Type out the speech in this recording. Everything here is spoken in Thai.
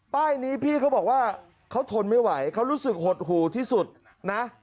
ป้ายนี้พี่เขาบอกว่าเขาทนไม่ไหวเขารู้สึกหดหูที่สุดนะ